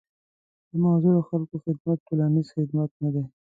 د معذورو خلکو خدمت ټولنيز خدمت نه دی.